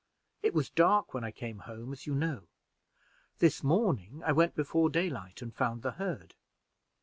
It was dark when I came home, as you know. This morning I went before daylight and found the herd.